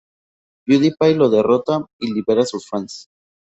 Pewdiepie lo derrota y libera a sus fans.